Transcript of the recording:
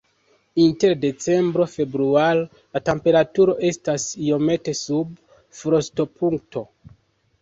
Inter decembro-februaro la temperaturo estas iomete sub frostopunkto.